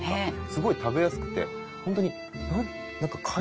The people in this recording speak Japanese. すごい食べやすくて本当に何か貝。